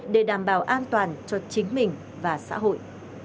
để đảm bảo an toàn cho chính mình và xã hội